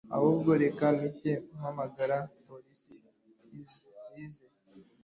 Ahubwo reka mpite mpamagara police zize